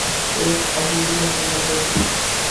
ایک عبوری حکومت بنی۔